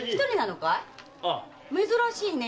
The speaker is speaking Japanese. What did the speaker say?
珍しいね。